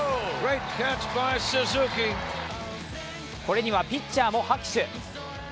これにはピッチャーも拍手。